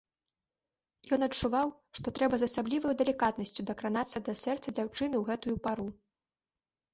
Ён адчуваў, што трэба з асабліваю далікатнасцю дакранацца да сэрца дзяўчыны ў гэтую пару.